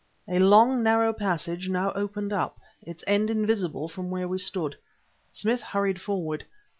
A long, narrow passage now opened up, its end invisible from where we stood. Smith hurried forward.